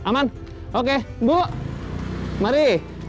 aman oke bu mari